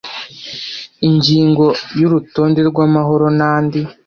Ingingo ya Urutonde rw amahoro n andi